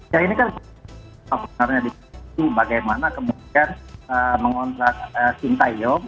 ya ini kan sebenarnya bagaimana kemudian mengontrak sinta young